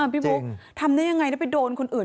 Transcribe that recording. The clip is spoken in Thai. พี่บุ๊คทำได้ยังไงแล้วไปโดนคนอื่น